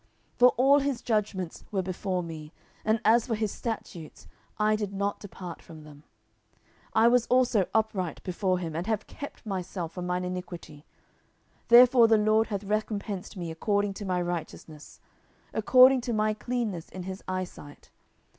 10:022:023 For all his judgments were before me: and as for his statutes, I did not depart from them. 10:022:024 I was also upright before him, and have kept myself from mine iniquity. 10:022:025 Therefore the LORD hath recompensed me according to my righteousness; according to my cleanness in his eye sight.